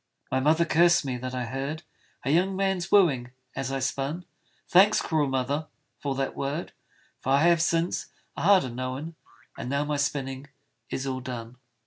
My mother cursed me that I heard A young man's wooing as I spun: Thanks, cruel mother, for that word, For I have, since, a harder known! And now my spinning is all done.